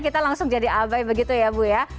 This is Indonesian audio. kita langsung jadi abai begitu ya bu ya